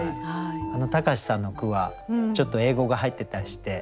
隆さんの句はちょっと英語が入ってたりして。